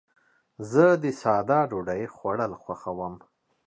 زه د ساده ډوډۍ خوړل خوښوم.